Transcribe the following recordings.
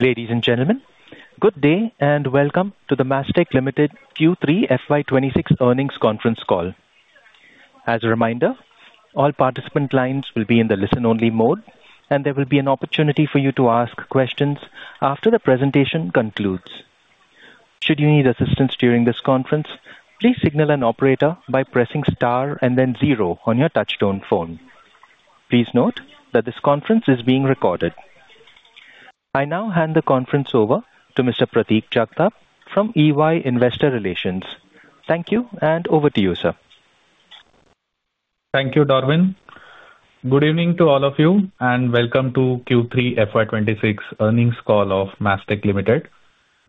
Ladies and gentlemen, good day and welcome to the Mastek Limited Q3 FY26 Earnings Conference Call. As a reminder, all participant lines will be in the listen-only mode, and there will be an opportunity for you to ask questions after the presentation concludes. Should you need assistance during this conference, please signal an operator by pressing star and then zero on your touch-tone phone. Please note that this conference is being recorded. I now hand the conference over to Mr. Prateek Jagtap from EY Investor Relations. Thank you, and over to you, sir. Thank you, Darwin. Good evening to all of you, and welcome to Q3 FY26 earnings call of Mastek Limited.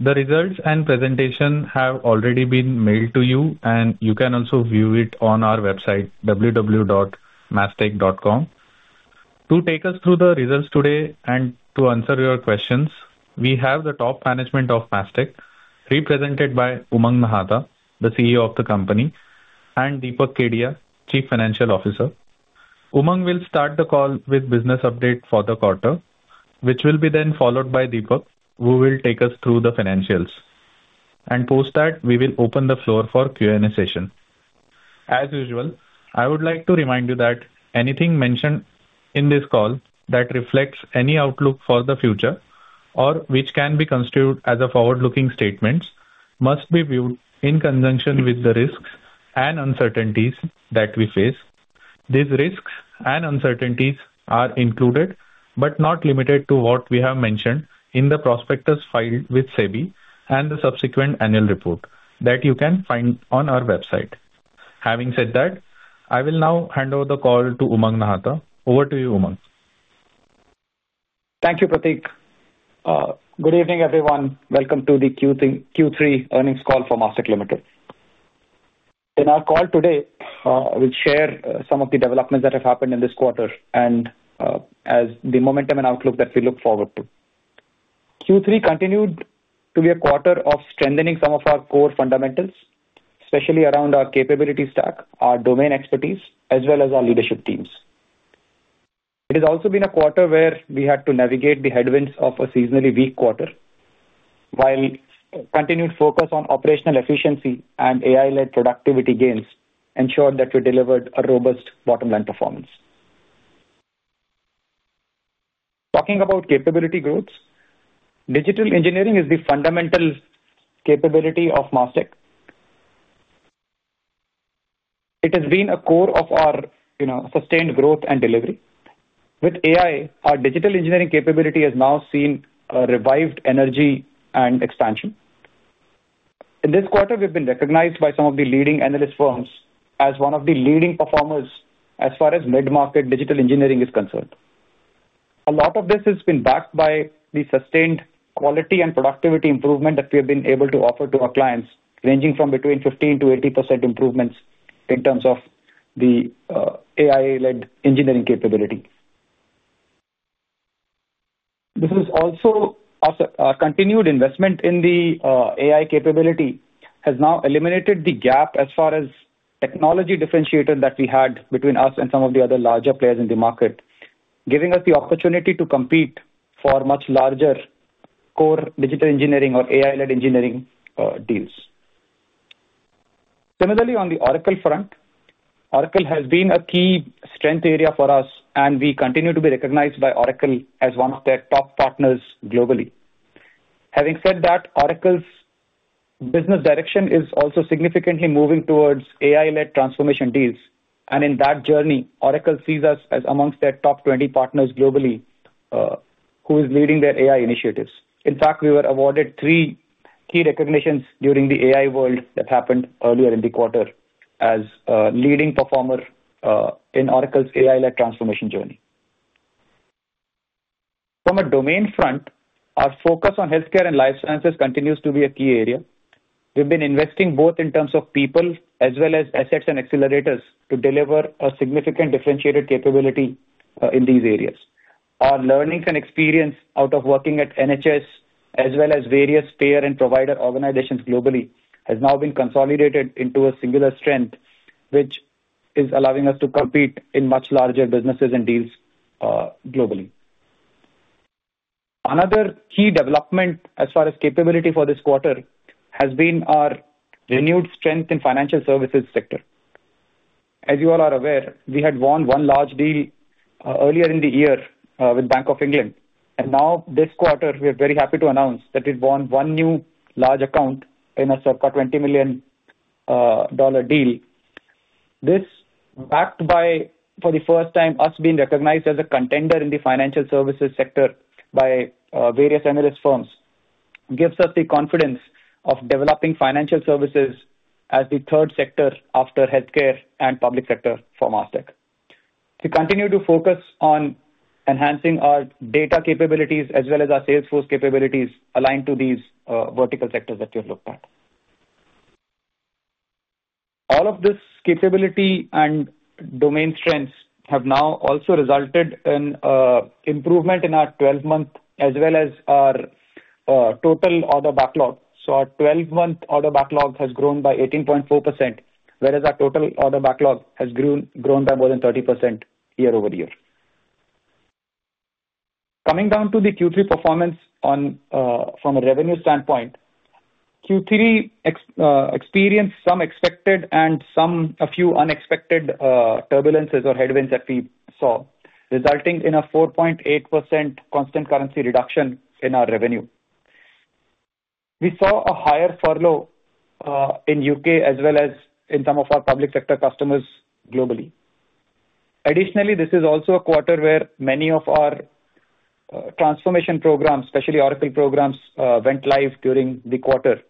The results and presentation have already been mailed to you, and you can also view it on our website, www.mastek.com. To take us through the results today and to answer your questions, we have the top management of Mastek represented by Umang Nahata, the CEO of the company, and Deepak Khadia, Chief Financial Officer. Umang will start the call with business updates for the quarter, which will be then followed by Deepak, who will take us through the financials, and post that, we will open the floor for Q&A session. As usual, I would like to remind you that anything mentioned in this call that reflects any outlook for the future or which can be construed as a forward-looking statement must be viewed in conjunction with the risks and uncertainties that we face. These risks and uncertainties are included but not limited to what we have mentioned in the prospectus filed with SEBI and the subsequent annual report that you can find on our website. Having said that, I will now hand over the call to Umang Nahata. Over to you, Umang. Thank you, Prateek. Good evening, everyone. Welcome to the Q3 earnings call for Mastek Limited. In our call today, we'll share some of the developments that have happened in this quarter and the momentum and outlook that we look forward to. Q3 continued to be a quarter of strengthening some of our core fundamentals, especially around our capability stack, our domain expertise, as well as our leadership teams. It has also been a quarter where we had to navigate the headwinds of a seasonally weak quarter, while continued focus on operational efficiency and AI-led productivity gains ensured that we delivered a robust bottom-line performance. Talking about capability growth, digital engineering is the fundamental capability of Mastek. It has been a core of our sustained growth and delivery. With AI, our digital engineering capability has now seen a revived energy and expansion. In this quarter, we've been recognized by some of the leading analyst firms as one of the leading performers as far as mid-market digital engineering is concerned. A lot of this has been backed by the sustained quality and productivity improvement that we have been able to offer to our clients, ranging from between 15% to 80% improvements in terms of the AI-led engineering capability. This is also our continued investment in the AI capability has now eliminated the gap as far as technology differentiator that we had between us and some of the other larger players in the market, giving us the opportunity to compete for much larger core digital engineering or AI-led engineering deals. Similarly, on the Oracle front, Oracle has been a key strength area for us, and we continue to be recognized by Oracle as one of their top partners globally. Having said that, Oracle's business direction is also significantly moving towards AI-led transformation deals. And in that journey, Oracle sees us as among their top 20 partners globally who are leading their AI initiatives. In fact, we were awarded three key recognitions during the AI World that happened earlier in the quarter as a leading performer in Oracle's AI-led transformation journey. From a domain front, our focus on healthcare and life sciences continues to be a key area. We've been investing both in terms of people as well as assets and accelerators to deliver a significant differentiated capability in these areas. Our learnings and experience out of working at NHS as well as various payer and provider organizations globally has now been consolidated into a singular strength, which is allowing us to compete in much larger businesses and deals globally. Another key development as far as capability for this quarter has been our renewed strength in the financial services sector. As you all are aware, we had won one large deal earlier in the year with Bank of England, and now, this quarter, we are very happy to announce that we've won one new large account in a surplus $20 million deal. This, backed by, for the first time, us being recognized as a contender in the financial services sector by various analyst firms, gives us the confidence of developing financial services as the third sector after healthcare and public sector for Mastek. We continue to focus on enhancing our data capabilities as well as our Salesforce capabilities aligned to these vertical sectors that we have looked at. All of this capability and domain strengths have now also resulted in improvement in our 12-month, as well as our total order backlog. So our 12-month order backlog has grown by 18.4%, whereas our total order backlog has grown by more than 30% year over year. Coming down to the Q3 performance from a revenue standpoint, Q3 experienced some expected and a few unexpected turbulences or headwinds that we saw, resulting in a 4.8% constant currency reduction in our revenue. We saw a higher furlough in the U.K. as well as in some of our public sector customers globally. Additionally, this is also a quarter where many of our transformation programs, especially Oracle programs, went live during the quarter.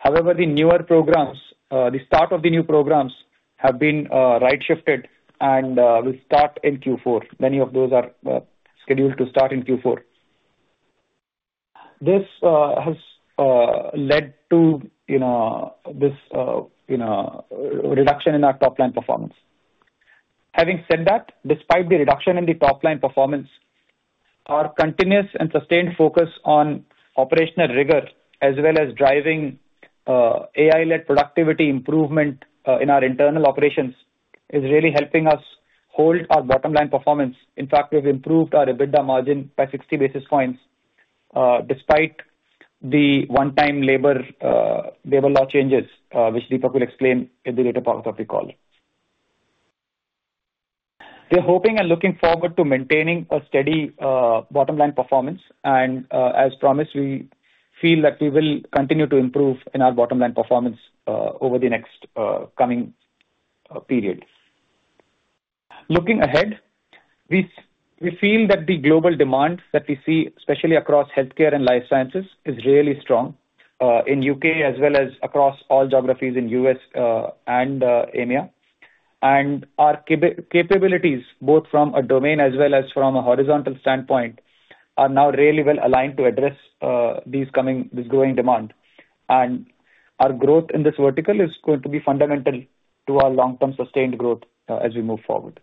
However, the newer programs, the start of the new programs, have been right-shifted and will start in Q4. Many of those are scheduled to start in Q4. This has led to this reduction in our top-line performance. Having said that, despite the reduction in the top-line performance, our continuous and sustained focus on operational rigor, as well as driving AI-led productivity improvement in our internal operations, is really helping us hold our bottom-line performance. In fact, we have improved our EBITDA margin by 60 basis points despite the one-time labor law changes, which Deepak will explain in the later part of the call. We're hoping and looking forward to maintaining a steady bottom-line performance, and as promised, we feel that we will continue to improve in our bottom-line performance over the next coming period. Looking ahead, we feel that the global demand that we see, especially across healthcare and life sciences, is really strong in the U.K. as well as across all geographies in the U.S. and EMEA. And our capabilities, both from a domain as well as from a horizontal standpoint, are now really well aligned to address this growing demand. And our growth in this vertical is going to be fundamental to our long-term sustained growth as we move forward.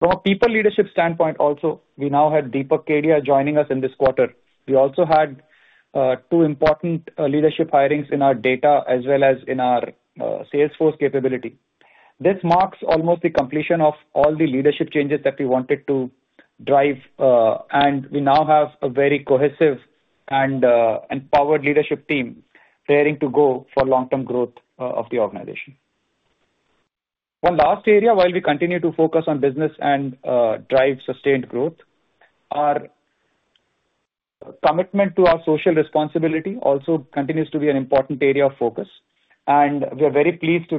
From a people leadership standpoint also, we now had Deepak Khadia joining us in this quarter. We also had two important leadership hirings in our data as well as in our Salesforce capability. This marks almost the completion of all the leadership changes that we wanted to drive. And we now have a very cohesive and empowered leadership team preparing to go for long-term growth of the organization. One last area, while we continue to focus on business and drive sustained growth, our commitment to our social responsibility also continues to be an important area of focus. We are very pleased to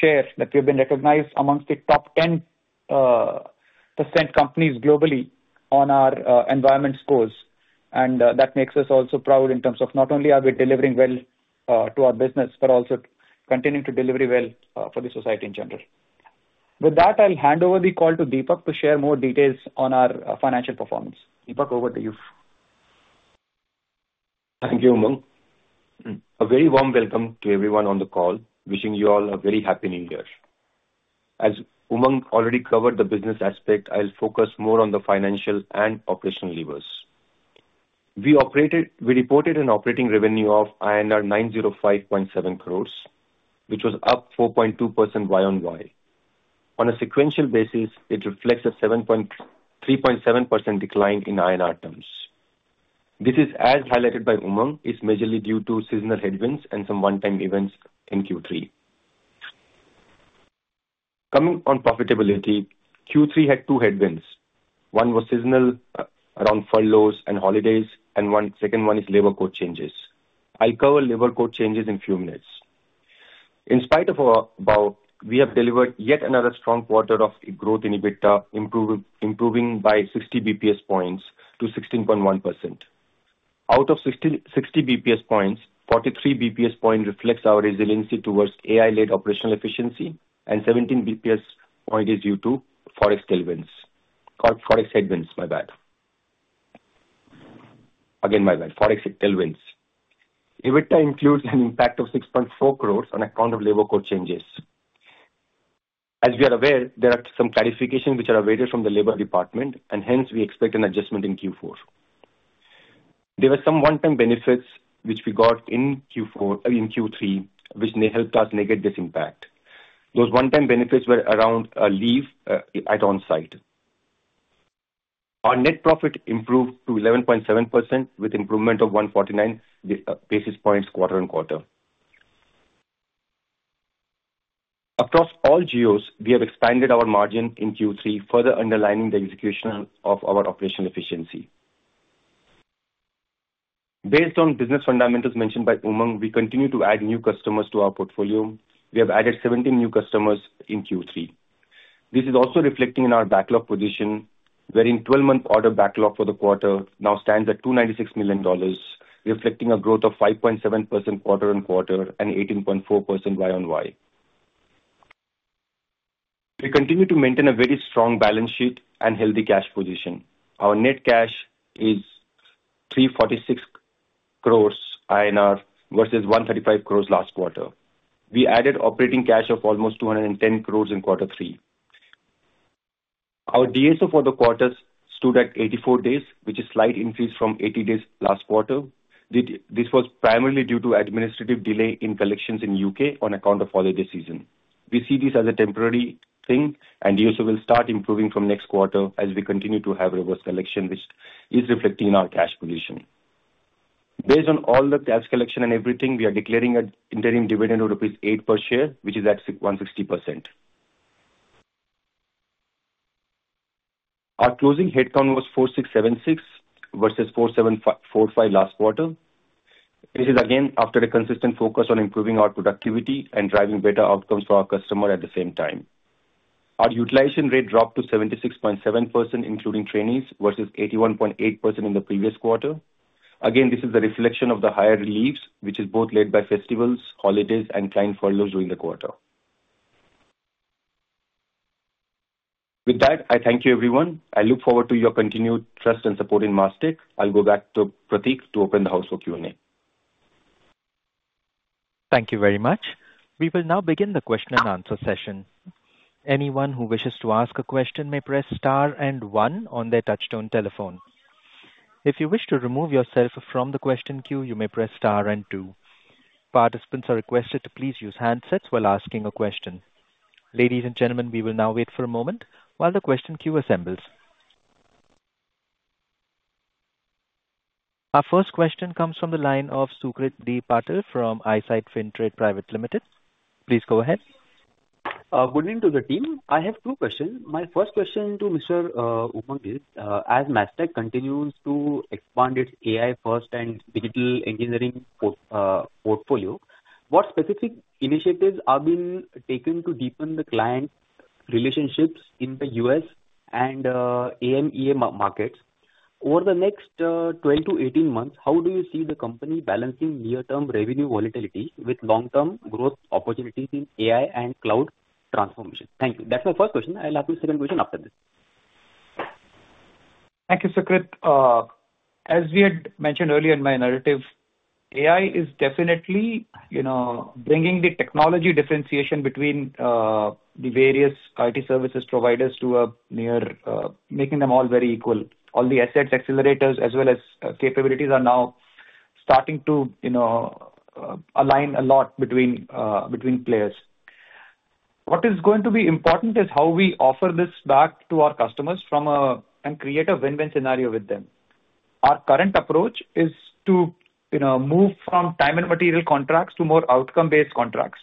share that we have been recognized among the top 10% companies globally on our environment scores. That makes us also proud in terms of not only are we delivering well to our business, but also continuing to deliver well for the society in general. With that, I'll hand over the call to Deepak to share more details on our financial performance. Deepak, over to you. Thank you, Umang. A very warm welcome to everyone on the call, wishing you all a very happy New Year. As Umang already covered the business aspect, I'll focus more on the financial and operational levers. We reported an operating revenue of INR 905.7 crores, which was up 4.2% year-on-year. On a sequential basis, it reflects a 3.7% decline in INR terms. This, as highlighted by Umang, is majorly due to seasonal headwinds and some one-time events in Q3. Coming on profitability, Q3 had two headwinds. One was seasonal around furloughs and holidays, and the second one is labor code changes. I'll cover labor code changes in a few minutes. In spite of above, we have delivered yet another strong quarter of growth in EBITDA, improving by 60 basis points to 16.1%. Out of 60 basis points, 43 basis points reflect our resiliency towards AI-led operational efficiency, and 17 basis points is due to forex headwinds. Again, my bad, forex headwinds. EBITDA includes an impact of 6.4 crores on account of labor code changes. As we are aware, there are some clarifications which are awaited from the labor department, and hence, we expect an adjustment in Q4. There were some one-time benefits which we got in Q3, which may help us negate this impact. Those one-time benefits were around a leave at onsite. Our net profit improved to 11.7% with improvement of 149 basis points quarter on quarter. Across all Geos, we have expanded our margin in Q3, further underlining the execution of our operational efficiency. Based on business fundamentals mentioned by Umang, we continue to add new customers to our portfolio. We have added 17 new customers in Q3. This is also reflecting in our backlog position, wherein 12-month order backlog for the quarter now stands at $296 million, reflecting a growth of 5.7% quarter on quarter and 18.4% Y on Y. We continue to maintain a very strong balance sheet and healthy cash position. Our net cash is 346 crores INR versus 135 crores last quarter. We added operating cash of almost 210 crores in quarter three. Our DSO for the quarters stood at 84 days, which is a slight increase from 80 days last quarter. This was primarily due to administrative delay in collections in the U.K. on account of holiday season. We see this as a temporary thing, and DSO will start improving from next quarter as we continue to have aggressive collection, which is reflecting in our cash position. Based on all the cash collection and everything, we are declaring an interim dividend of rupees 8 per share, which is at 160%. Our closing headcount was 4676 versus 4745 last quarter. This is again after a consistent focus on improving our productivity and driving better outcomes for our customers at the same time. Our utilization rate dropped to 76.7%, including trainees, versus 81.8% in the previous quarter. Again, this is a reflection of the higher leaves, which is both led by festivals, holidays, and client furloughs during the quarter. With that, I thank you, everyone. I look forward to your continued trust and support in Mastek. I'll go back to Prateek to open the floor for Q&A. Thank you very much. We will now begin the question and answer session. Anyone who wishes to ask a question may press star and one on their touch-tone telephone. If you wish to remove yourself from the question queue, you may press star and two. Participants are requested to please use handsets while asking a question. Ladies and gentlemen, we will now wait for a moment while the question queue assembles. Our first question comes from the line of Sukrit Deep Patil from Insight Fintrade Private Limited. Please go ahead. Good evening to the team. I have two questions. My first question to Mr. Umang is, as Mastek continues to expand its AI-first and digital engineering portfolio, what specific initiatives are being taken to deepen the client relationships in the US and EMEA markets? Over the next 12 months to 18 months, how do you see the company balancing near-term revenue volatility with long-term growth opportunities in AI and cloud transformation? Thank you. That's my first question. I'll have a second question after this. Thank you, Sukrit. As we had mentioned earlier in my narrative, AI is definitely bringing the technology differentiation between the various IT services providers to nearly making them all very equal. All the assets, accelerators, as well as capabilities are now starting to align a lot between players. What is going to be important is how we offer this back to our customers and create a win-win scenario with them. Our current approach is to move from time and material contracts to more outcome-based contracts.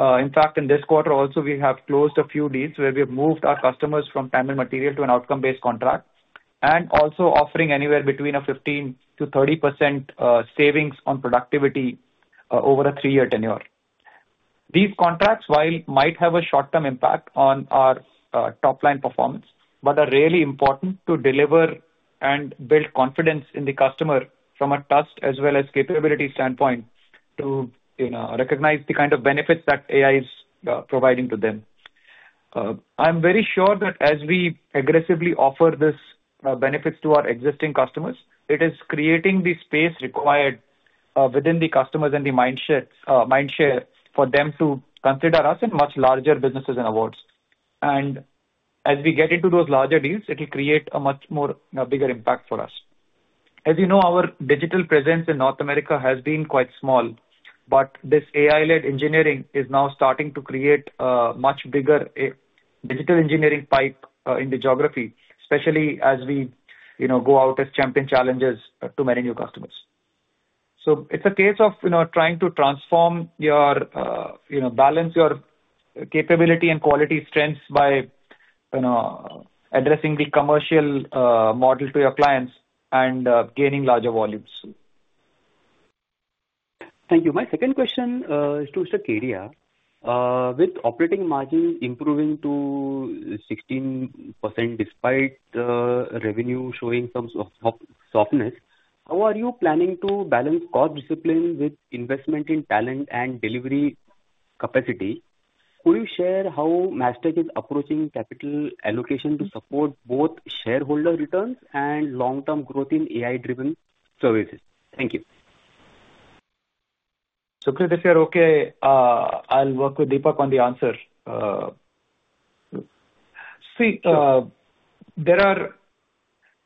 In fact, in this quarter also, we have closed a few deals where we have moved our customers from time and material to an outcome-based contract and also offering anywhere between 15%-30% savings on productivity over a three-year tenure. These contracts, while they might have a short-term impact on our top-line performance, but are really important to deliver and build confidence in the customer from a trust as well as capability standpoint to recognize the kind of benefits that AI is providing to them. I'm very sure that as we aggressively offer these benefits to our existing customers, it is creating the space required within the customers and the mindshare for them to consider us and much larger businesses and awards, and as we get into those larger deals, it will create a much bigger impact for us. As you know, our digital presence in North America has been quite small, but this AI-led engineering is now starting to create a much bigger digital engineering pipe in the geography, especially as we go out as champion challengers to many new customers. So it's a case of trying to transform your balance, your capability, and quality strengths by addressing the commercial model to your clients and gaining larger volumes. Thank you. My second question is to Mr. Khadia. With operating margin improving to 16% despite revenue showing some softness, how are you planning to balance cost discipline with investment in talent and delivery capacity? Could you share how Mastek is approaching capital allocation to support both shareholder returns and long-term growth in AI-driven services? Thank you. Sukrit, if you're okay, I'll work with Deepak on the answer. See,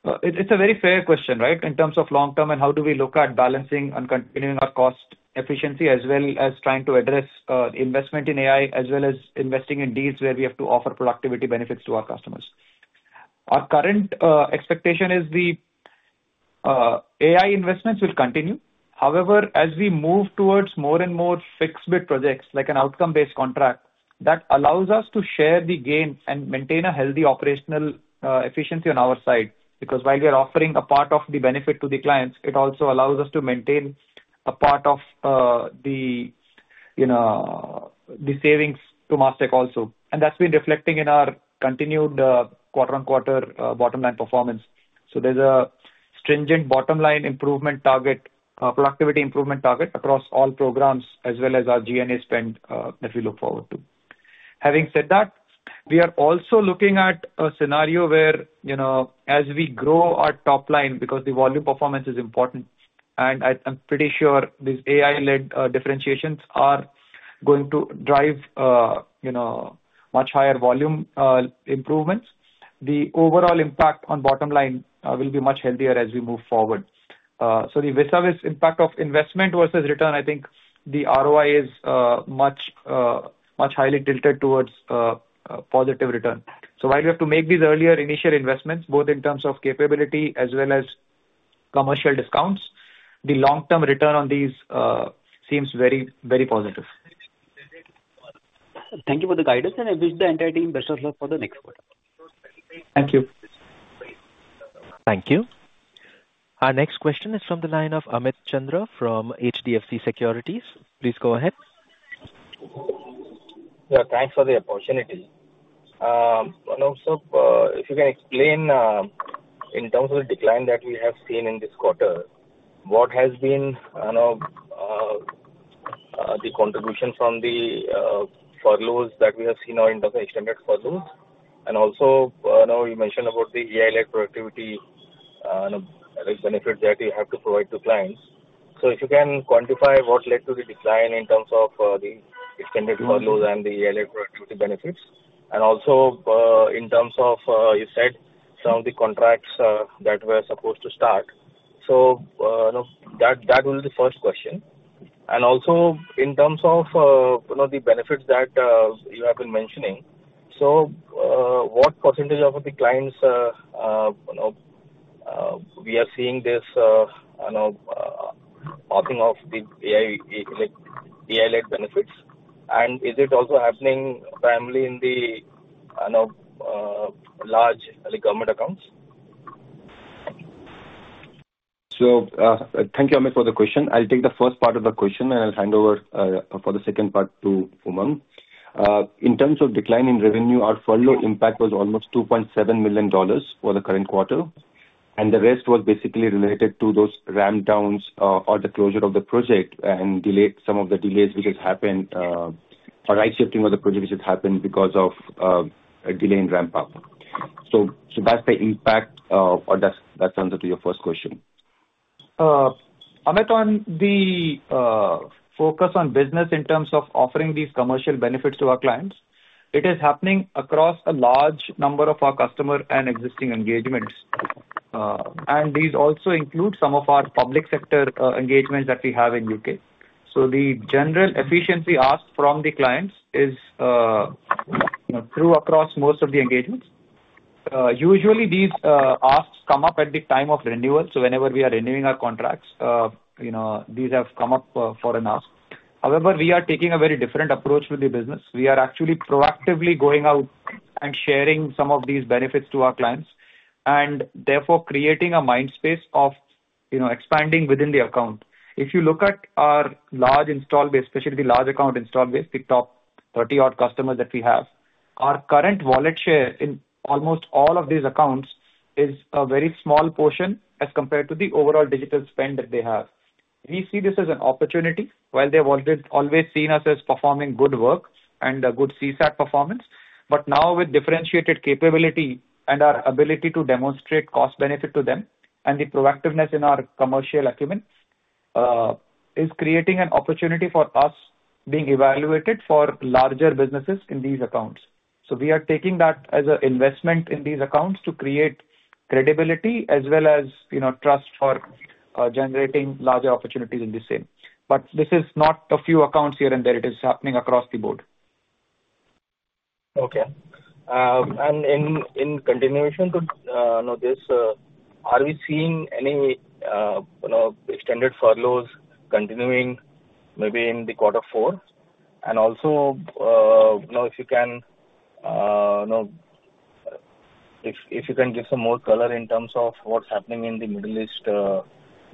it's a very fair question, right, in terms of long-term and how do we look at balancing and continuing our cost efficiency as well as trying to address investment in AI as well as investing in deals where we have to offer productivity benefits to our customers. Our current expectation is the AI investments will continue. However, as we move towards more and more fixed bid projects like an outcome-based contract, that allows us to share the gain and maintain a healthy operational efficiency on our side. Because while we are offering a part of the benefit to the clients, it also allows us to maintain a part of the savings to Mastek also. And that's been reflecting in our continued quarter-on-quarter bottom-line performance. So there's a stringent bottom-line improvement target, productivity improvement target across all programs as well as our G&A spend that we look forward to. Having said that, we are also looking at a scenario whereas we grow our top line because the volume performance is important. And I'm pretty sure these AI-led differentiations are going to drive much higher volume improvements. The overall impact on bottom line will be much healthier as we move forward. So the vis-à-vis impact of investment versus return, I think the ROI is much highly tilted towards positive return. So while we have to make these earlier initial investments, both in terms of capability as well as commercial discounts, the long-term return on these seems very positive. Thank you for the guidance, and I wish the entire team best of luck for the next quarter. Thank you. Thank you. Our next question is from the line of Amit Chandra from HDFC Securities. Please go ahead. Yeah, thanks for the opportunity. If you can explain in terms of the decline that we have seen in this quarter, what has been the contribution from the furloughs that we have seen or in terms of extended furloughs? And also, you mentioned about the AI-led productivity benefits that you have to provide to clients. So if you can quantify what led to the decline in terms of the extended furloughs and the AI-led productivity benefits, and also in terms of, you said, some of the contracts that were supposed to start. So that will be the first question. And also in terms of the benefits that you have been mentioning, so what percentage of the clients we are seeing this offering of the AI-led benefits? And is it also happening primarily in the large government accounts? So thank you, Amit, for the question. I'll take the first part of the question, and I'll hand over for the second part to Umang. In terms of decline in revenue, our furlough impact was almost $2.7 million for the current quarter. And the rest was basically related to those ramp-downs or the closure of the project and some of the delays which has happened or right-shifting of the project which has happened because of a delay in ramp-up. So that's the impact or that's the answer to your first question. Amit, on the focus on business in terms of offering these commercial benefits to our clients, it is happening across a large number of our customer and existing engagements, and these also include some of our public sector engagements that we have in the UK, so the general efficiency asked from the clients is through across most of the engagements. Usually, these asks come up at the time of renewal, so whenever we are renewing our contracts, these have come up for an ask. However, we are taking a very different approach with the business. We are actually proactively going out and sharing some of these benefits to our clients and therefore creating a mind space of expanding within the account. If you look at our large installed base, especially the large account installed base, the top 30-odd customers that we have, our current wallet share in almost all of these accounts is a very small portion as compared to the overall digital spend that they have. We see this as an opportunity while they have always seen us as performing good work and good CSAT performance. But now, with differentiated capability and our ability to demonstrate cost benefit to them and the proactiveness in our commercial acumen is creating an opportunity for us being evaluated for larger businesses in these accounts. So we are taking that as an investment in these accounts to create credibility as well as trust for generating larger opportunities in the same. But this is not a few accounts here and there. It is happening across the board. Okay. And in continuation to this, are we seeing any extended furloughs continuing maybe in the quarter four? And also, if you can give some more color in terms of what's happening in the Middle East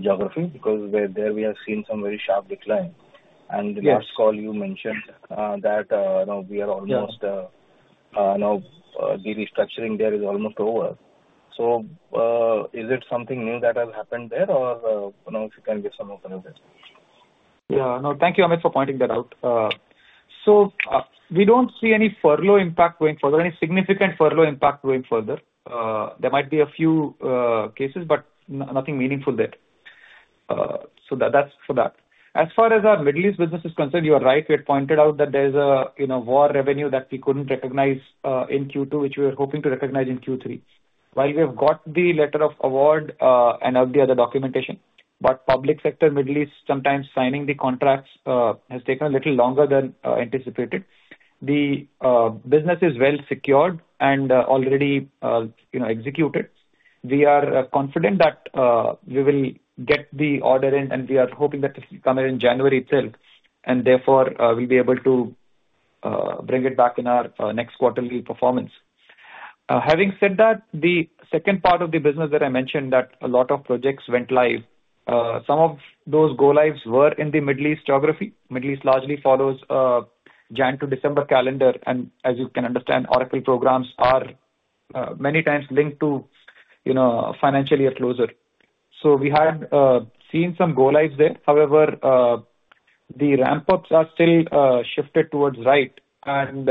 geography because there we have seen some very sharp decline? And last call, you mentioned that the restructuring there is almost over. So is it something new that has happened there or if you can give some more color there? Yeah. No, thank you, Amit, for pointing that out. So we don't see any furlough impact going further, any significant furlough impact going further. There might be a few cases, but nothing meaningful there. So that's for that. As far as our Middle East business is concerned, you are right. We had pointed out that there's award revenue that we couldn't recognize in Q2, which we were hoping to recognize in Q3. While we have got the letter of award and all the other documentation, but public sector, Middle East, sometimes signing the contracts has taken a little longer than anticipated. The business is well secured and already executed. We are confident that we will get the order in, and we are hoping that it will come in January itself, and therefore we'll be able to bring it back in our next quarterly performance. Having said that, the second part of the business that I mentioned that a lot of projects went live, some of those go-lives were in the Middle East geography. Middle East largely follows January to December calendar. And as you can understand, Oracle programs are many times linked to financial year closure. So we had seen some go-lives there. However, the ramp-ups are still shifted towards right. And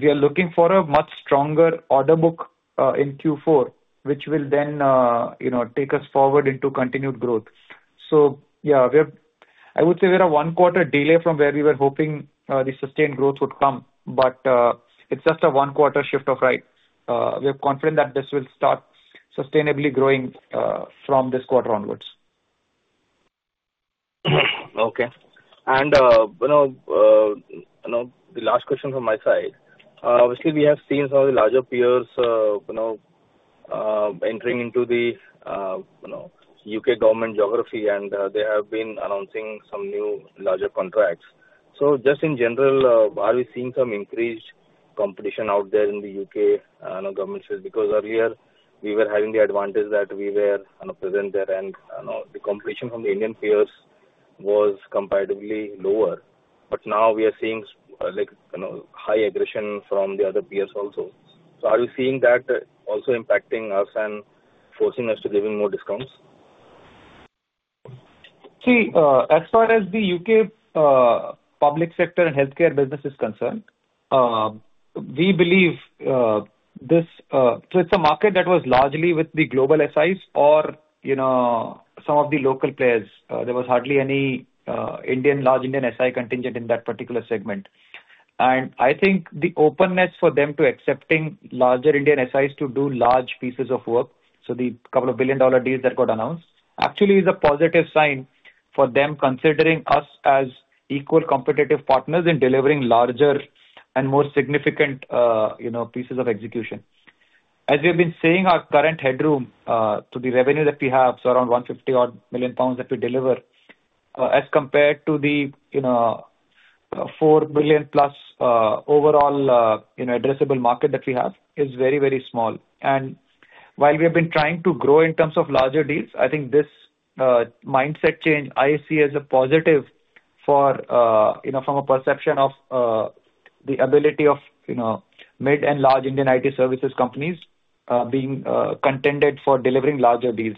we are looking for a much stronger order book in Q4, which will then take us forward into continued growth. So yeah, I would say we're a one-quarter delay from where we were hoping the sustained growth would come, but it's just a one-quarter shift of right. We are confident that this will start sustainably growing from this quarter onwards. Okay. And the last question from my side. Obviously, we have seen some of the larger peers entering into the U.K. government geography, and they have been announcing some new larger contracts. So just in general, are we seeing some increased competition out there in the U.K. government space? Because earlier, we were having the advantage that we were present there, and the competition from the Indian peers was comparatively lower. But now we are seeing high aggression from the other peers also. So are we seeing that also impacting us and forcing us to give them more discounts? See, as far as the UK public sector healthcare business is concerned, we believe this, so it's a market that was largely with the global SIs or some of the local players. There was hardly any large Indian SI contingent in that particular segment. And I think the openness for them to accept larger Indian SIs to do large pieces of work, so the couple of billion-dollar deals that got announced, actually is a positive sign for them considering us as equal competitive partners in delivering larger and more significant pieces of execution. As we have been seeing our current headroom to the revenue that we have, so around £150 million that we deliver, as compared to the £4 billion plus overall addressable market that we have, is very, very small. And while we have been trying to grow in terms of larger deals, I think this mindset change I see as a positive from a perception of the ability of mid and large Indian IT services companies being contended for delivering larger deals.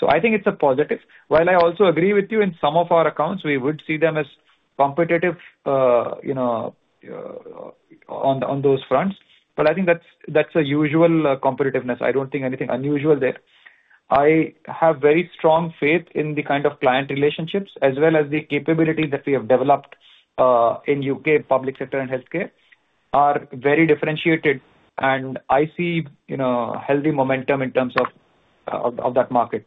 So I think it's a positive. While I also agree with you, in some of our accounts, we would see them as competitive on those fronts. But I think that's a usual competitiveness. I don't think anything unusual there. I have very strong faith in the kind of client relationships as well as the capability that we have developed in U.K. public sector and healthcare are very differentiated, and I see healthy momentum in terms of that market.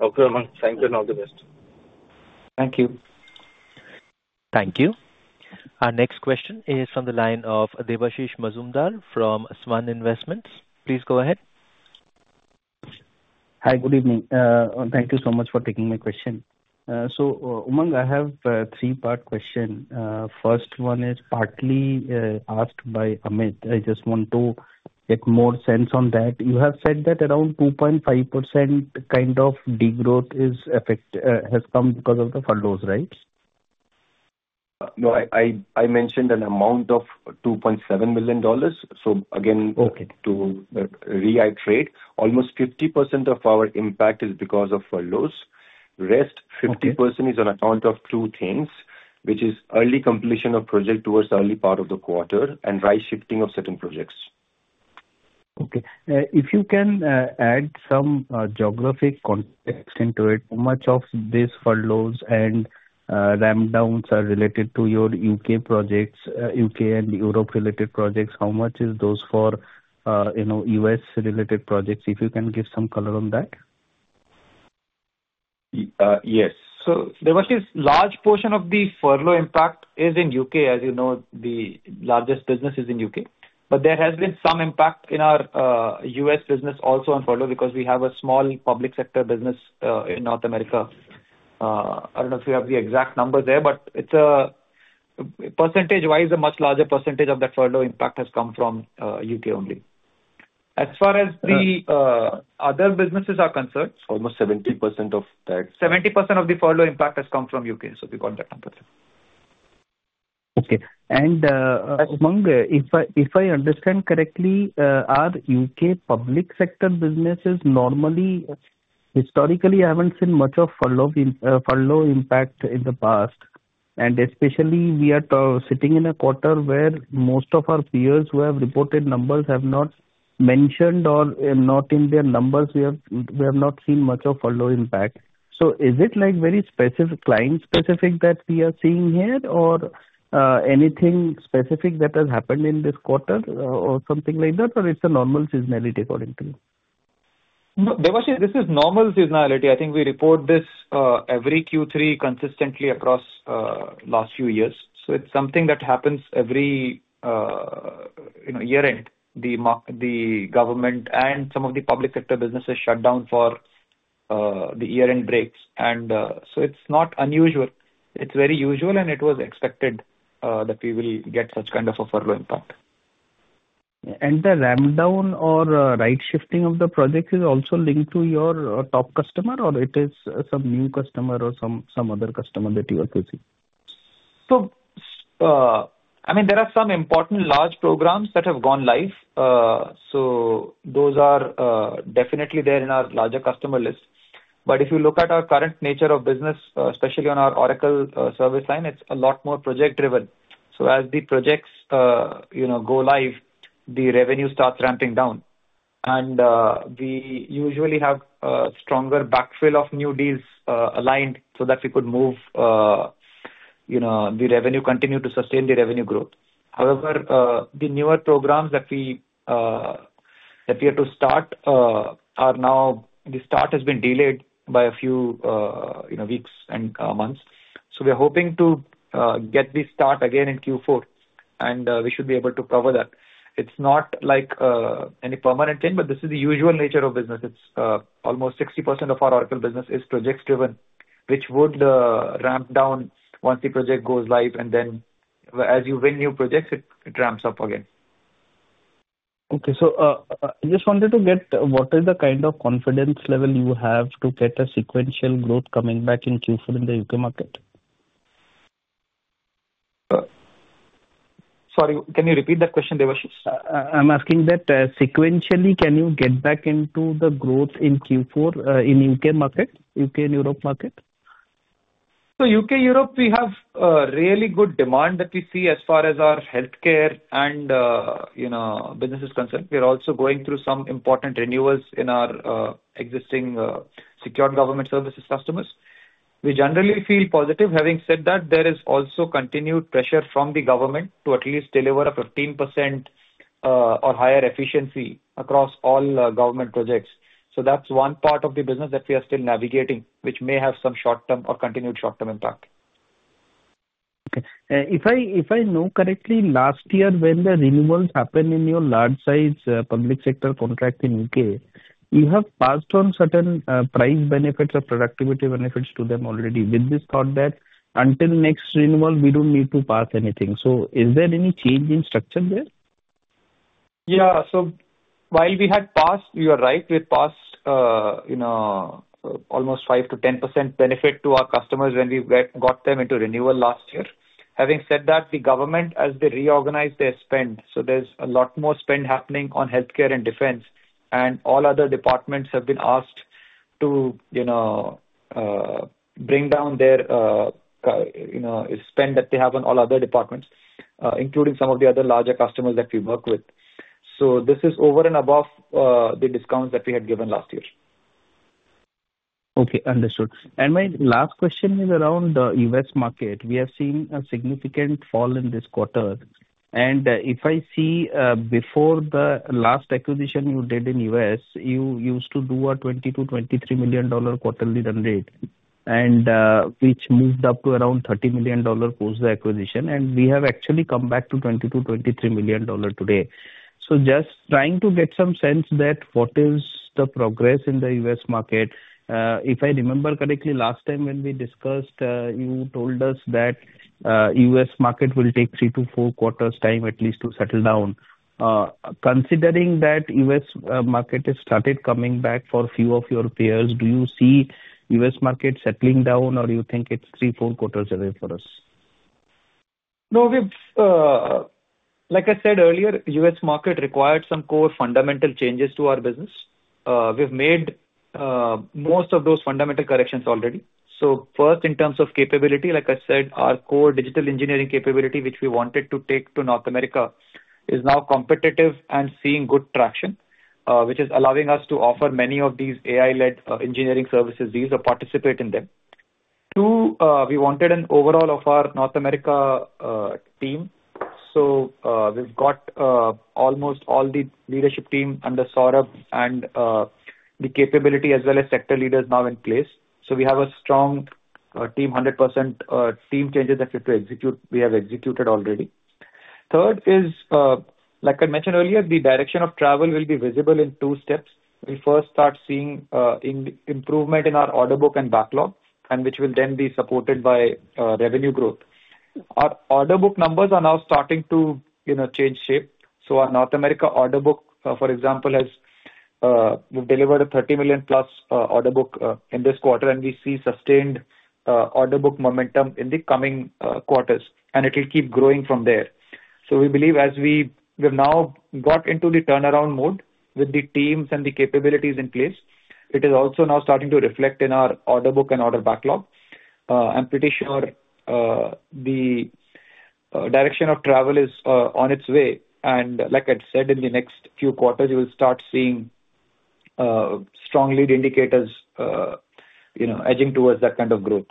Okay, Umang. Thank you and all the best. Thank you. Thank you. Our next question is from the line of Debashish Mazumdar from Svan Investments. Please go ahead. Hi, good evening. Thank you so much for taking my question. So Umang, I have a three-part question. First one is partly asked by Amit. I just want to get more sense on that. You have said that around 2.5% kind of degrowth has come because of the furloughs, right? No, I mentioned an amount of $2.7 million. So again, to reiterate, almost 50% of our impact is because of furloughs. Rest, 50% is on account of two things, which is early completion of project towards early part of the quarter and right-shifting of certain projects. Okay. If you can add some geographic context into it, how much of these furloughs and ramp-downs are related to your U.K. projects, U.K. and Europe-related projects? How much is those for U.S.-related projects? If you can give some color on that? Yes. So Devashish, a large portion of the furlough impact is in U.K. As you know, the largest business is in U.K. But there has been some impact in our U.S. business also on furlough because we have a small public sector business in North America. I don't know if you have the exact number there, but percentage-wise, a much larger percentage of that furlough impact has come from U.K. only. As far as the other businesses are concerned. Almost 70% of that. 70% of the furlough impact has come from U.K. So we got that number there. Okay. And Umang, if I understand correctly, are U.K. public sector businesses normally historically, I haven't seen much of furlough impact in the past. And especially, we are sitting in a quarter where most of our peers who have reported numbers have not mentioned or not in their numbers, we have not seen much of furlough impact. So is it like very specific, client-specific that we are seeing here or anything specific that has happened in this quarter or something like that, or it's a normal seasonality according to you? Devashish, this is normal seasonality. I think we report this every Q3 consistently across the last few years, so it's something that happens every year-end. The government and some of the public sector businesses shut down for the year-end breaks, and so it's not unusual. It's very usual, and it was expected that we will get such kind of a furlough impact. The ramp-down or right-shifting of the project is also linked to your top customer, or it is some new customer or some other customer that you are facing? So, I mean, there are some important large programs that have gone live. So those are definitely there in our larger customer list. But if you look at our current nature of business, especially on our Oracle service line, it's a lot more project-driven. So as the projects go live, the revenue starts ramping down. And we usually have a stronger backfill of new deals aligned so that we could move the revenue continue to sustain the revenue growth. However, the newer programs that we appear to start are now the start has been delayed by a few weeks and months. So we are hoping to get the start again in Q4, and we should be able to cover that. It's not like any permanent thing, but this is the usual nature of business. It's almost 60% of our Oracle business is project-driven, which would ramp down once the project goes live, and then as you win new projects, it ramps up again. Okay. So I just wanted to get what is the kind of confidence level you have to get a sequential growth coming back in Q4 in the U.K. market? Sorry, can you repeat that question, Devashish? I'm asking that sequentially, can you get back into the growth in Q4 in U.K. market, U.K. and Europe market? So UK, Europe, we have really good demand that we see as far as our healthcare and business is concerned. We are also going through some important renewals in our existing secured government services customers. We generally feel positive. Having said that, there is also continued pressure from the government to at least deliver a 15% or higher efficiency across all government projects. So that's one part of the business that we are still navigating, which may have some short-term or continued short-term impact. Okay. If I know correctly, last year when the renewals happened in your large-sized public sector contract in U.K., you have passed on certain price benefits or productivity benefits to them already with this thought that until next renewal, we don't need to pass anything. So is there any change in structure there? Yeah. So while we had passed, you are right, we had passed almost 5%-10% benefit to our customers when we got them into renewal last year. Having said that, the government, as they reorganize their spend, so there's a lot more spend happening on healthcare and defense. And all other departments have been asked to bring down their spend that they have on all other departments, including some of the other larger customers that we work with. So this is over and above the discounts that we had given last year. Okay. Understood. And my last question is around the U.S. market. We have seen a significant fall in this quarter. And if I see before the last acquisition you did in U.S., you used to do a $22 million-$23 million quarterly run rate, which moved up to around $30 million post the acquisition. And we have actually come back to $22 million-$23 million today. So just trying to get some sense that what is the progress in the U.S. market. If I remember correctly, last time when we discussed, you told us that U.S. market will take three to four quarters' time at least to settle down. Considering that U.S. market has started coming back for a few of your peers, do you see U.S. market settling down, or do you think it's three, four quarters away for us? No, like I said earlier, US market required some core fundamental changes to our business. We've made most of those fundamental corrections already. So first, in terms of capability, like I said, our core digital engineering capability, which we wanted to take to North America, is now competitive and seeing good traction, which is allowing us to offer many of these AI-led engineering services or participate in them. Two, we wanted an overhaul of our North America team. So we've got almost all the leadership team under Saurabh and the capability as well as sector leaders now in place. So we have a strong team, 100% team changes that we have executed already. Third is, like I mentioned earlier, the direction of travel will be visible in two steps. We first start seeing improvement in our order book and backlog, which will then be supported by revenue growth. Our order book numbers are now starting to change shape, so our North America order book, for example, we've delivered a $30 million plus order book in this quarter, and we see sustained order book momentum in the coming quarters, and it will keep growing from there, so we believe as we have now got into the turnaround mode with the teams and the capabilities in place, it is also now starting to reflect in our order book and order backlog. I'm pretty sure the direction of travel is on its way, and like I said, in the next few quarters, you will start seeing strong lead indicators edging towards that kind of growth.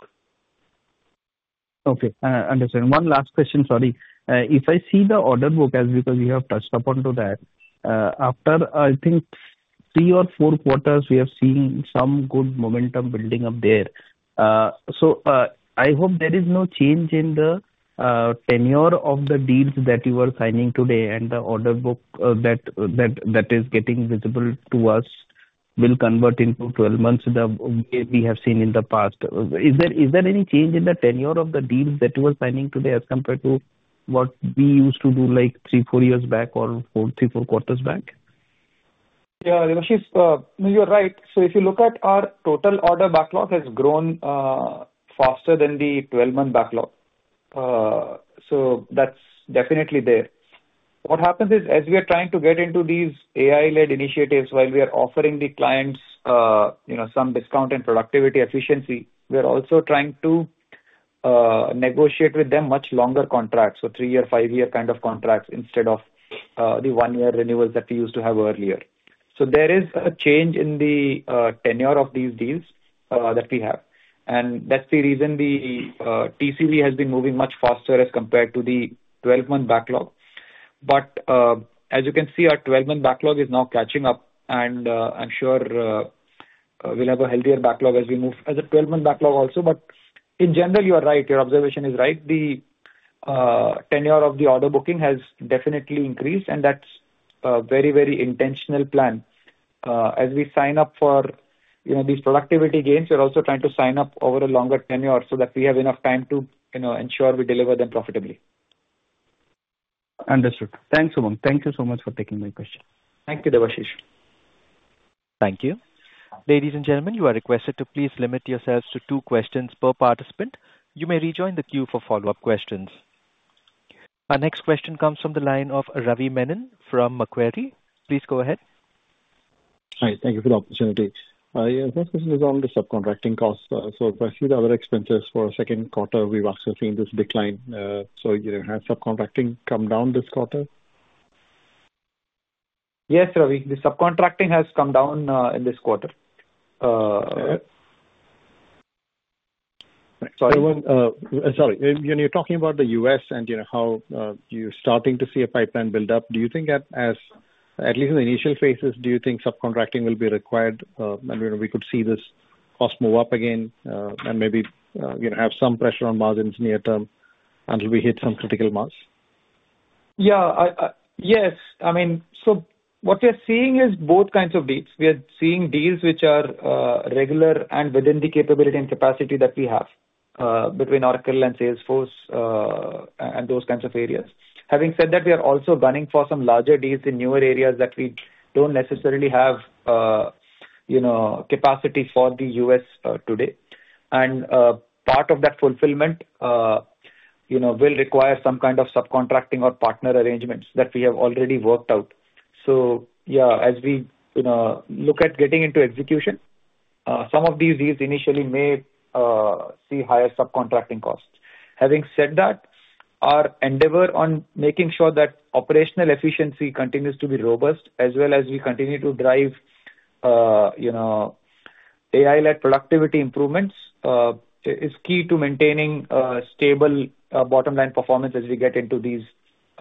Okay. Understood. One last question, sorry. If I see the order book, as we have touched upon to that, after, I think, three or four quarters, we have seen some good momentum building up there. So I hope there is no change in the tenure of the deals that you are signing today and the order book that is getting visible to us will convert into 12 months that we have seen in the past. Is there any change in the tenure of the deals that you are signing today as compared to what we used to do like three, four years back or three, four quarters back? Yeah, Devashish, you are right. So if you look at our total order backlog, it has grown faster than the 12-month backlog. So that's definitely there. What happens is, as we are trying to get into these AI-led initiatives while we are offering the clients some discount in productivity, efficiency, we are also trying to negotiate with them much longer contracts, so three-year, five-year kind of contracts instead of the one-year renewals that we used to have earlier. So there is a change in the tenure of these deals that we have. And that's the reason the TCV has been moving much faster as compared to the 12-month backlog. But as you can see, our 12-month backlog is now catching up, and I'm sure we'll have a healthier backlog as we move as a 12-month backlog also. But in general, you are right. Your observation is right. The tenure of the order booking has definitely increased, and that's a very, very intentional plan. As we sign up for these productivity gains, we're also trying to sign up over a longer tenure so that we have enough time to ensure we deliver them profitably. Understood. Thanks, Umang. Thank you so much for taking my question. Thank you, Devashish. Thank you. Ladies and gentlemen, you are requested to please limit yourselves to two questions per participant. You may rejoin the queue for follow-up questions. Our next question comes from the line of Ravi Menon from Macquarie. Please go ahead. Hi. Thank you for the opportunity. My first question is on the subcontracting costs. So for a few other expenses for a second quarter, we've also seen this decline. So has subcontracting come down this quarter? Yes, Ravi. The subcontracting has come down in this quarter. Okay. Sorry. Sorry. You're talking about the US and how you're starting to see a pipeline build up. Do you think that, at least in the initial phases, do you think subcontracting will be required, and we could see this cost move up again and maybe have some pressure on margins near-term until we hit some critical marks? Yeah. Yes. I mean, so what we are seeing is both kinds of deals. We are seeing deals which are regular and within the capability and capacity that we have between Oracle and Salesforce and those kinds of areas. Having said that, we are also running for some larger deals in newer areas that we don't necessarily have capacity for the U.S. today, and part of that fulfillment will require some kind of subcontracting or partner arrangements that we have already worked out. So yeah, as we look at getting into execution, some of these deals initially may see higher subcontracting costs. Having said that, our endeavor on making sure that operational efficiency continues to be robust as well as we continue to drive AI-led productivity improvements is key to maintaining stable bottom-line performance as we get into these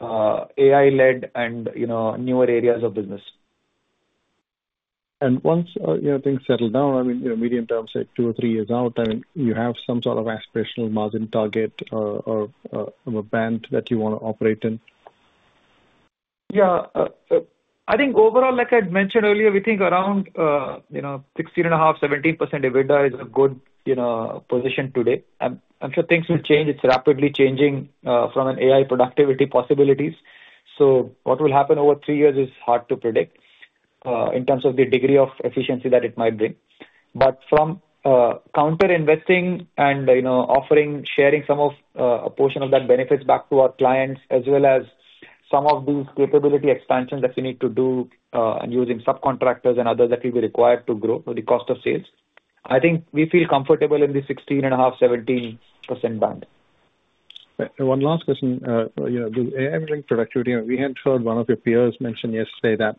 AI-led and newer areas of business. Once things settle down, I mean, medium terms, say two or three years out, I mean, you have some sort of aspirational margin target or a band that you want to operate in? Yeah. I think overall, like I'd mentioned earlier, we think around 16.5%-17% EBITDA is a good position today. I'm sure things will change. It's rapidly changing from an AI productivity possibilities. So what will happen over three years is hard to predict in terms of the degree of efficiency that it might bring. But from counter-investing and offering, sharing some of a portion of that benefits back to our clients as well as some of these capability expansions that we need to do and using subcontractors and others that we will require to grow the cost of sales, I think we feel comfortable in the 16.5%-17% band. One last question. The AI-linked productivity, we had heard one of your peers mention yesterday that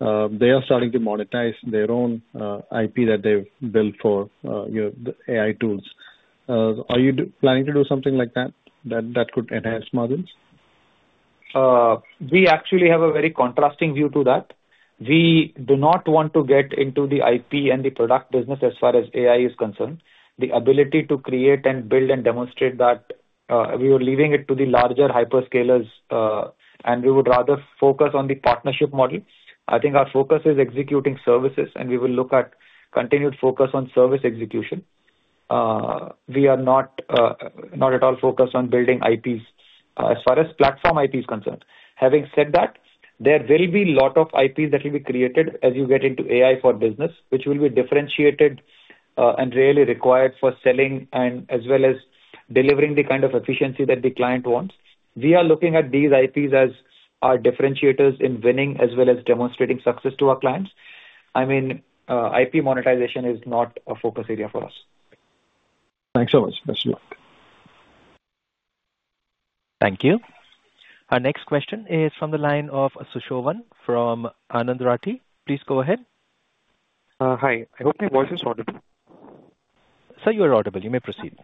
they are starting to monetize their own IP that they've built for the AI tools. Are you planning to do something like that that could enhance margins? We actually have a very contrasting view to that. We do not want to get into the IP and the product business as far as AI is concerned. The ability to create and build and demonstrate that, we are leaving it to the larger hyperscalers, and we would rather focus on the partnership model. I think our focus is executing services, and we will look at continued focus on service execution. We are not at all focused on building IPs as far as platform IP is concerned. Having said that, there will be a lot of IPs that will be created as you get into AI for business, which will be differentiated and really required for selling and as well as delivering the kind of efficiency that the client wants. We are looking at these IPs as our differentiators in winning as well as demonstrating success to our clients. I mean, IP monetization is not a focus area for us. Thanks so much. Best of luck. Thank you. Our next question is from the line of Sushovan from Anand Rathi. Please go ahead. Hi. I hope my voice is audible. Sir, you are audible. You may proceed.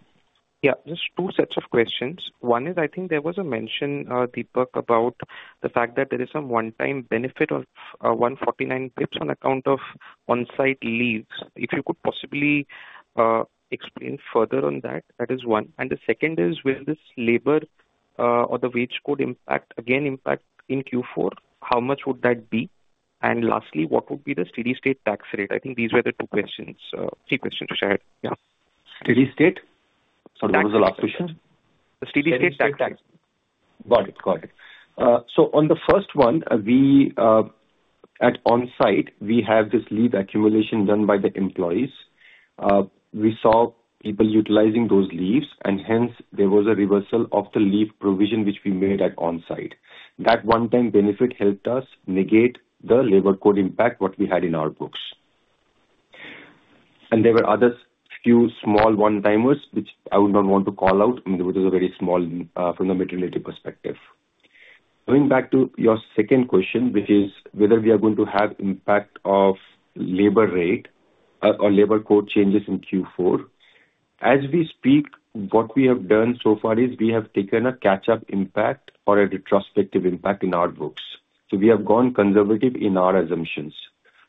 Yeah. Just two sets of questions. One is, I think there was a mention, Deepak, about the fact that there is some one-time benefit of 149 basis points on account of on-site leaves. If you could possibly explain further on that, that is one. And the second is, will this labor or the wage could again impact in Q4? How much would that be? And lastly, what would be the steady-state tax rate? I think these were the two questions, three questions which I had. Yeah. Steady-state? Sorry, what was the last question? Steady-state tax. Got it. Got it. So on the first one, at on-site, we have this leave accumulation done by the employees. We saw people utilizing those leaves, and hence, there was a reversal of the leave provision which we made at on-site. That one-time benefit helped us negate the labor code impact what we had in our books. And there were other few small one-timers, which I would not want to call out. I mean, it was a very small from the maternity perspective. Going back to your second question, which is whether we are going to have impact of labor rate or labor code changes in Q4. As we speak, what we have done so far is we have taken a catch-up impact or a retrospective impact in our books. So we have gone conservative in our assumptions.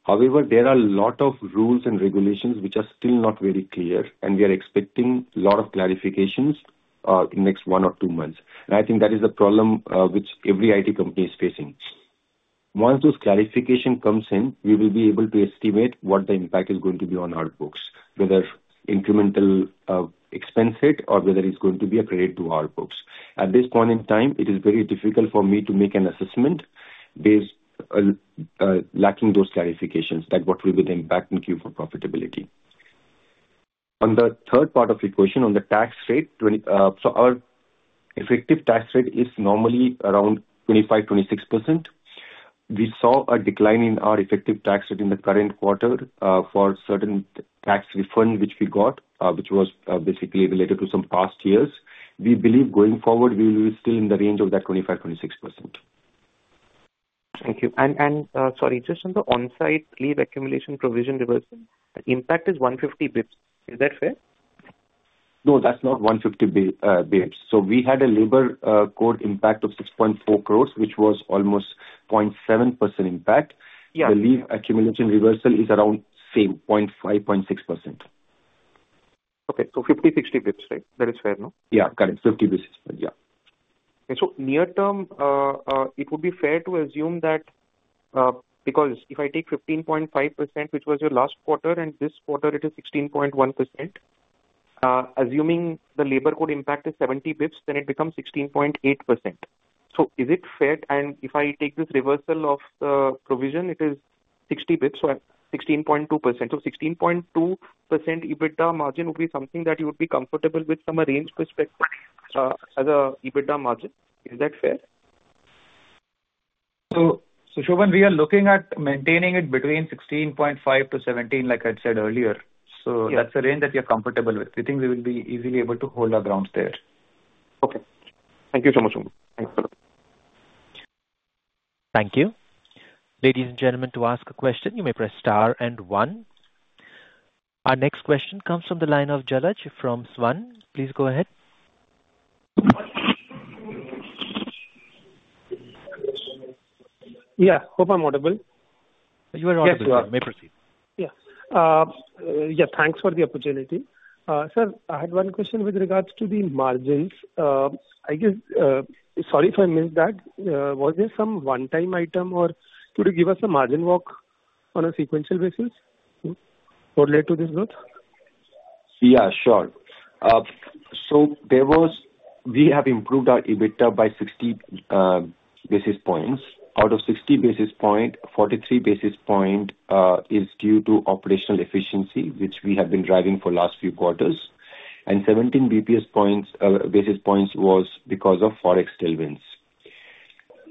However, there are a lot of rules and regulations which are still not very clear, and we are expecting a lot of clarifications in the next one or two months, and I think that is the problem which every IT company is facing. Once those clarifications come in, we will be able to estimate what the impact is going to be on our books, whether incremental expense hit or whether it's going to be a credit to our books. At this point in time, it is very difficult for me to make an assessment lacking those clarifications that what will be the impact in Q4 profitability. On the third part of your question on the tax rate, so our effective tax rate is normally around 25%, 26%. We saw a decline in our effective tax rate in the current quarter for certain tax refunds which we got, which was basically related to some past years. We believe going forward, we will be still in the range of that 25%, 26%. Thank you, and sorry, just on the on-site leave accumulation provision reversal, the impact is 150 basis points. Is that fair? No, that's not 150 basis points. So we had a labor code impact of 6.4 crores, which was almost 0.7% impact. The leave accumulation reversal is around the same, 0.5%, 0.6%. Okay, so 50, 60 basis points, right? That is fair, no? Yeah. Correct. 50 basis points. Yeah. Okay. So near-term, it would be fair to assume that because if I take 15.5%, which was your last quarter, and this quarter, it is 16.1%, assuming the labor code impact is 70 basis points, then it becomes 16.8%. So is it fair? And if I take this reversal of the provision, it is 60 basis points, so 16.2%. So 16.2% EBITDA margin would be something that you would be comfortable with from a range perspective as an EBITDA margin. Is that fair? Sushovan, we are looking at maintaining it between 16.5%-17%, like I'd said earlier. That's a range that we are comfortable with. We think we will be easily able to hold our grounds there. Okay. Thank you so much, Umang. Thanks. Thank you. Ladies and gentlemen, to ask a question, you may press star and one. Our next question comes from the line of Jalaj from Svan. Please go ahead. Yeah. Hope I'm audible. You are audible. Yes, you are. May proceed. Yeah. Yeah. Thanks for the opportunity. Sir, I had one question with regards to the margins. I guess, sorry if I missed that. Was there some one-time item or could you give us a margin walk on a sequential basis correlated to this growth? Yeah. Sure. So we have improved our EBITDA by 60 basis points. Out of 60 basis points, 43 basis points is due to operational efficiency, which we have been driving for the last few quarters. And 17 basis points was because of forex tailwind.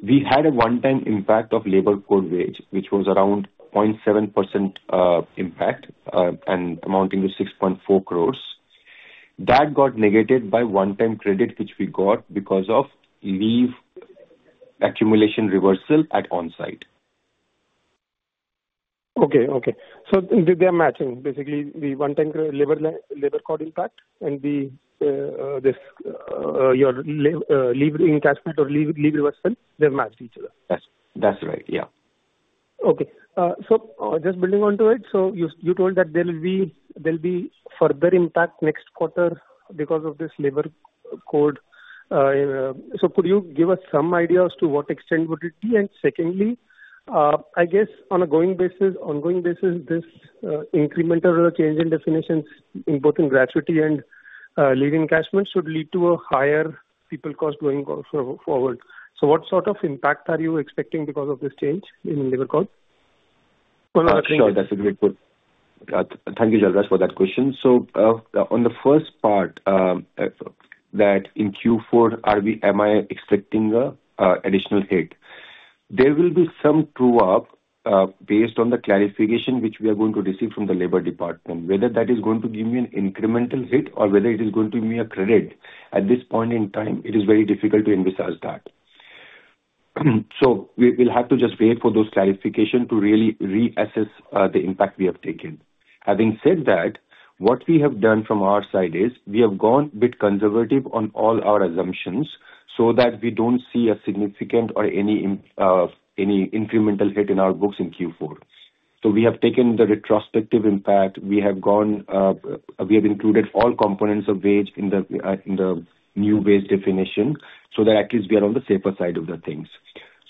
We had a one-time impact of labor code wage, which was around 0.7% impact and amounting to 6.4 crores. That got negated by one-time credit which we got because of leave accumulation reversal at on-site. Okay. So they're matching, basically, the one-time labor code impact and your leave encashment or leave reversal. They've matched each other. That's right. Yeah. Okay. So just building onto it, so you told that there will be further impact next quarter because of this labor code. So could you give us some idea as to what extent would it be? And secondly, I guess, on a going basis, ongoing basis, this incremental change in definitions in both gratuity and leave encashment should lead to a higher people cost going forward. So what sort of impact are you expecting because of this change in labor code? I'm sorry. That's a great question. Thank you, Jalaj, for that question. So on the first part, that in Q4, am I expecting an additional hit? There will be some true-up based on the clarification which we are going to receive from the labor department. Whether that is going to give me an incremental hit or whether it is going to give me a credit at this point in time, it is very difficult to envisage that. So we will have to just wait for those clarifications to really reassess the impact we have taken. Having said that, what we have done from our side is we have gone a bit conservative on all our assumptions so that we don't see a significant or any incremental hit in our books in Q4. So we have taken the retrospective impact. We have included all components of wage in the new wage definition so that at least we are on the safer side of the things.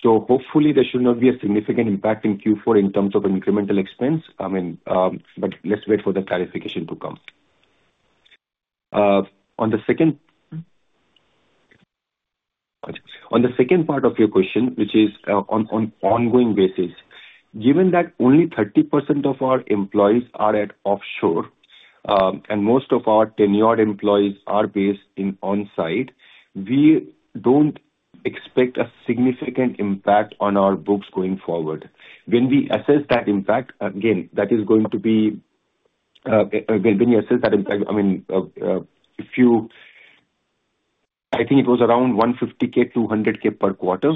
So hopefully, there should not be a significant impact in Q4 in terms of incremental expense. I mean, but let's wait for the clarification to come. On the second part of your question, which is on ongoing basis, given that only 30% of our employees are at offshore and most of our tenured employees are based on-site, we don't expect a significant impact on our books going forward. When we assess that impact, again, I mean, I think it was around 150K, 200K per quarter.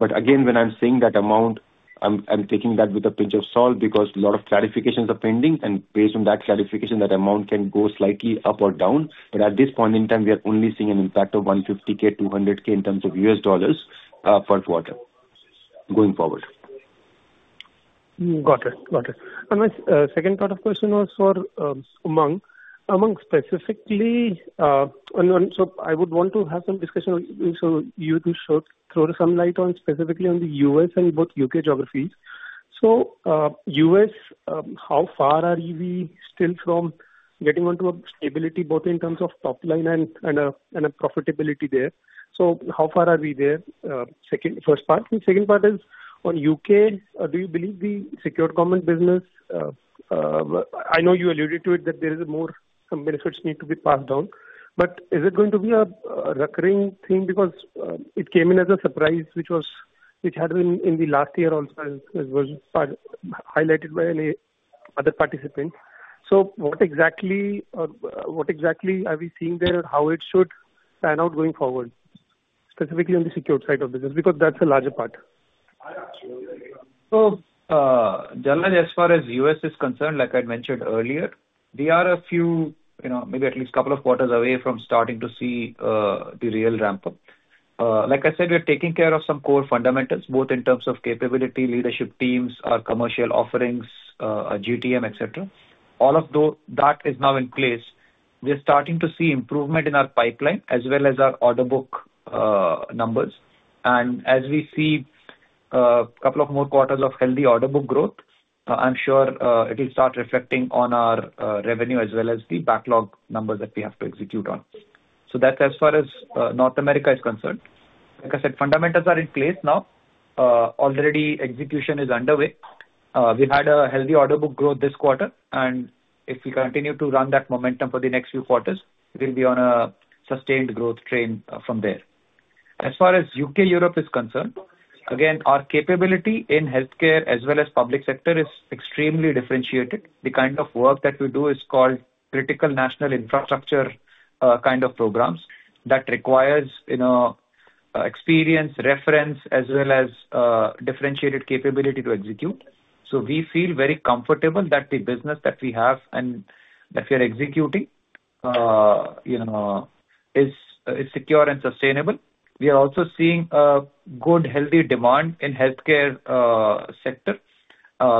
But again, when I'm saying that amount, I'm taking that with a pinch of salt because a lot of clarifications are pending. Based on that clarification, that amount can go slightly up or down. At this point in time, we are only seeing an impact of $150,000-$200,000 per quarter going forward. Got it. Got it. And my second part of question was for Umang. Umang, specifically, so I would want to have some discussion. So you should throw some light on specifically on the U.S. and both U.K. geographies. So U.S., how far are we still from getting onto a stability both in terms of top line and a profitability there? So how far are we there? First part. The second part is on U.K. Do you believe the Secure government business? I know you alluded to it that there is more benefits need to be passed down. But is it going to be a recurring thing because it came in as a surprise, which had been in the last year also as was highlighted by another participant? So what exactly are we seeing there and how it should pan out going forward, specifically on the Secure side of business? Because that's the larger part. Jalaj, as far as the U.S. is concerned, like I'd mentioned earlier, there are a few, maybe at least a couple of quarters away from starting to see the real ramp-up. Like I said, we're taking care of some core fundamentals both in terms of capability, leadership teams, our commercial offerings, GTM, etc. All of that is now in place. We are starting to see improvement in our pipeline as well as our order book numbers. And as we see a couple of more quarters of healthy order book growth, I'm sure it will start reflecting on our revenue as well as the backlog numbers that we have to execute on. So that's as far as North America is concerned. Like I said, fundamentals are in place now. Already, execution is underway. We had a healthy order book growth this quarter. And if we continue to run that momentum for the next few quarters, we'll be on a sustained growth train from there. As far as U.K., Europe is concerned, again, our capability in healthcare as well as public sector is extremely differentiated. The kind of work that we do is called critical national infrastructure kind of programs that requires experience, reference, as well as differentiated capability to execute. So we feel very comfortable that the business that we have and that we are executing is secure and sustainable. We are also seeing good healthy demand in the healthcare sector,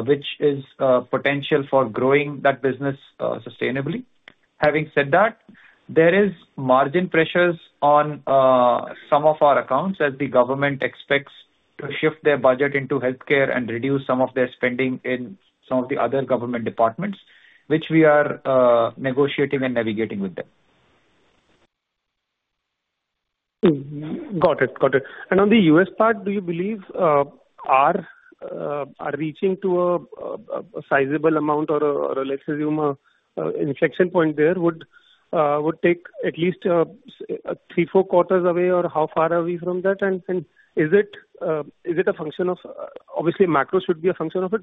which is potential for growing that business sustainably. Having said that, there are margin pressures on some of our accounts as the government expects to shift their budget into healthcare and reduce some of their spending in some of the other government departments, which we are negotiating and navigating with them. Got it. Got it. And on the U.S. part, do you believe are reaching to a sizable amount or let's assume an inflection point there would take at least three, four quarters away, or how far are we from that? And is it a function of obviously, macro should be a function of it,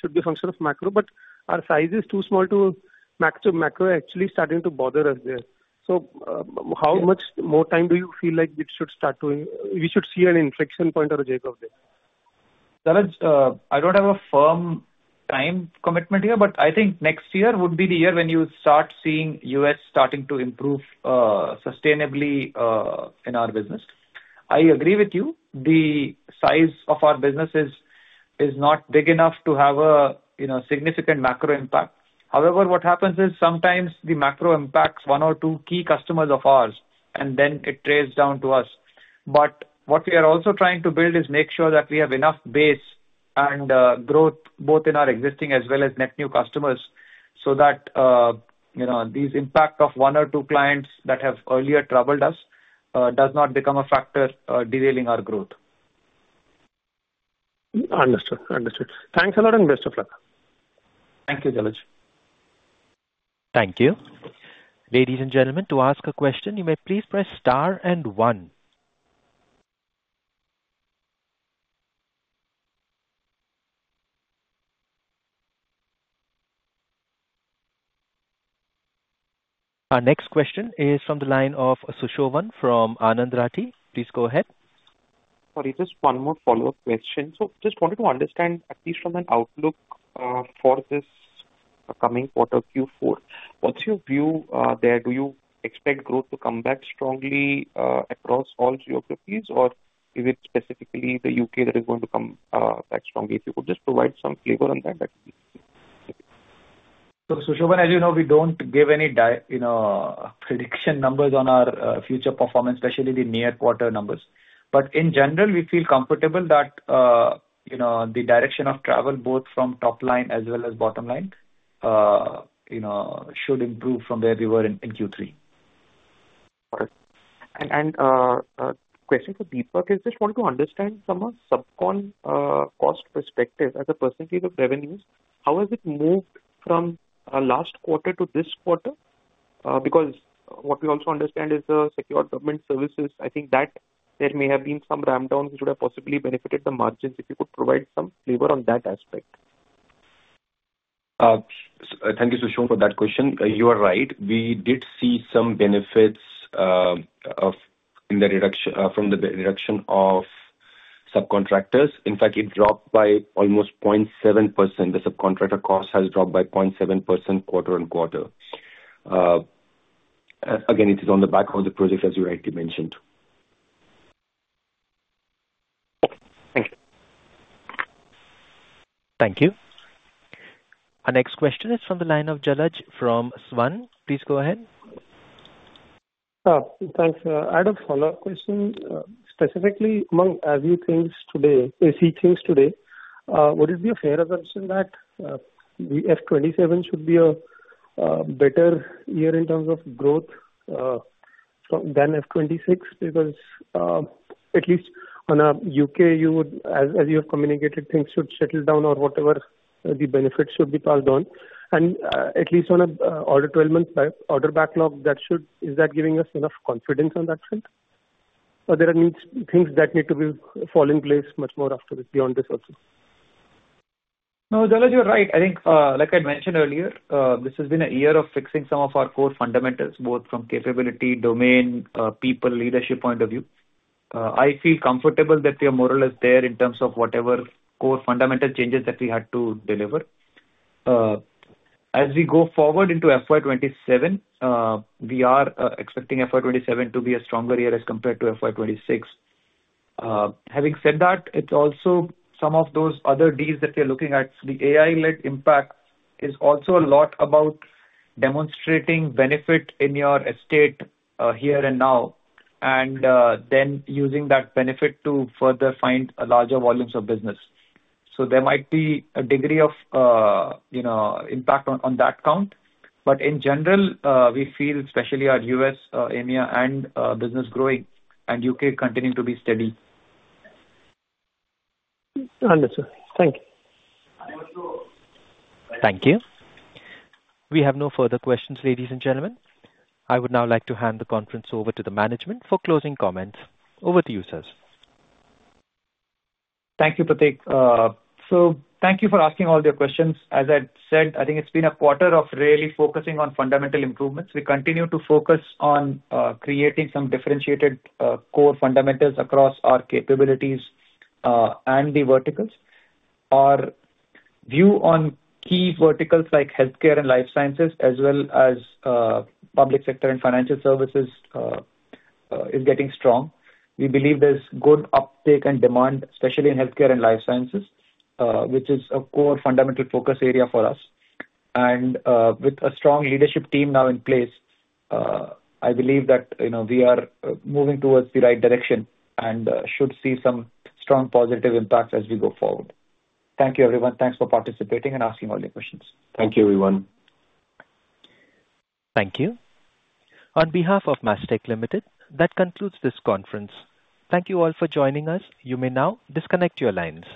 should be a function of macro, but our size is too small to macro actually starting to bother us there. So how much more time do you feel like we should start to we should see an inflection point or a J-curve of this? Jalaj, I don't have a firm time commitment here, but I think next year would be the year when you start seeing U.S. starting to improve sustainably in our business. I agree with you. The size of our business is not big enough to have a significant macro impact. However, what happens is sometimes the macro impacts one or two key customers of ours, and then it trades down to us. But what we are also trying to build is make sure that we have enough base and growth both in our existing as well as net new customers so that these impacts of one or two clients that have earlier troubled us does not become a factor derailing our growth. Understood. Understood. Thanks a lot and best of luck. Thank you, Jalaj. Thank you. Ladies and gentlemen, to ask a question, you may please press star and one. Our next question is from the line of Sushovan from Anand Rathi. Please go ahead. Sorry, just one more follow-up question. So just wanted to understand, at least from an outlook for this coming quarter Q4, what's your view there? Do you expect growth to come back strongly across all geographies, or is it specifically the U.K. that is going to come back strongly? If you could just provide some flavor on that, that would be great. So Sushovan, as you know, we don't give any prediction numbers on our future performance, especially the near-quarter numbers. But in general, we feel comfortable that the direction of travel both from top line as well as bottom line should improve from where we were in Q3. Got it. And question for Deepak is just wanting to understand from a subcon cost perspective, as a percentage of revenues, how has it moved from last quarter to this quarter? Because what we also understand is the secured government services. I think that there may have been some ramp-downs which would have possibly benefited the margins. If you could provide some flavor on that aspect. Thank you, Sushovan, for that question. You are right. We did see some benefits from the reduction of subcontractors. In fact, it dropped by almost 0.7%. The subcontractor cost has dropped by 0.7% quarter on quarter. Again, it is on the back of the project, as you rightly mentioned. Okay. Thank you. Thank you. Our next question is from the line of Jalaj from Svan. Please go ahead. Thanks. I had a follow-up question. Specifically, Umang, as you think today, as he thinks today, would it be a fair assumption that the FY27 should be a better year in terms of growth than FY26? Because at least in the UK, as you have communicated, things should settle down or whatever the benefits should be passed on. And at least on an overall 12-month order backlog, is that giving us enough confidence on that front? Are there things that need to fall into place much more or beyond this also? No, Jalaj, you're right. I think, like I'd mentioned earlier, this has been a year of fixing some of our core fundamentals, both from capability, domain, people, leadership point of view. I feel comfortable that we are more or less there in terms of whatever core fundamental changes that we had to deliver. As we go forward into FY27, we are expecting FY27 to be a stronger year as compared to FY26. Having said that, it's also some of those other Ds that we are looking at. The AI-led impact is also a lot about demonstrating benefit in your estate here and now, and then using that benefit to further find larger volumes of business. So there might be a degree of impact on that count. But in general, we feel, especially our U.S., EMEA, and business growing, and U.K. continuing to be steady. Understood. Thank you. Thank you. We have no further questions, ladies and gentlemen. I would now like to hand the conference over to the management for closing comments. Over to you, sirs. Thank you, Prateek. So thank you for asking all the questions. As I'd said, I think it's been a quarter of really focusing on fundamental improvements. We continue to focus on creating some differentiated core fundamentals across our capabilities and the verticals. Our view on key verticals like healthcare and life sciences, as well as public sector and financial services, is getting strong. We believe there's good uptake and demand, especially in healthcare and life sciences, which is a core fundamental focus area for us. And with a strong leadership team now in place, I believe that we are moving towards the right direction and should see some strong positive impacts as we go forward. Thank you, everyone. Thanks for participating and asking all your questions. Thank you, everyone. Thank you. On behalf of Mastek Limited, that concludes this conference. Thank you all for joining us. You may now disconnect your lines.